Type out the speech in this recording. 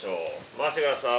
回してください。